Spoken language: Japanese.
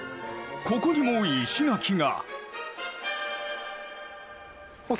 ここにも石垣が。